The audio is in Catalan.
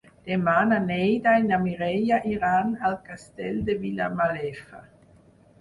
Demà na Neida i na Mireia iran al Castell de Vilamalefa.